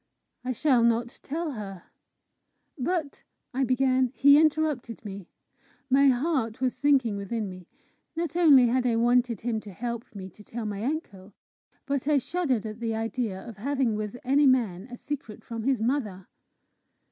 I shall not tell her." "But," I began. He interrupted me. My heart was sinking within me. Not only had I wanted him to help me to tell my uncle, but I shuddered at the idea of having with any man a secret from his mother.